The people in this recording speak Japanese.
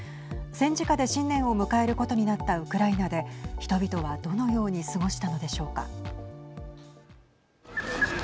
戦時下で新年を迎えることになったウクライナで人々は、どのように過ごしたのでしょうか。